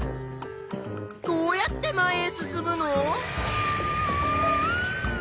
どうやって前へ進むの？